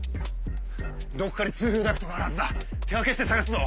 どこかに通風ダクトがあるはずだ手分けして探すぞ！